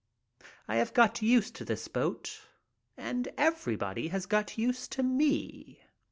I have got used to the boat and everybody has got used to me.